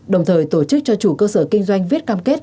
đồng thời tổ chức cho chủ cơ sở kinh doanh viết cam kết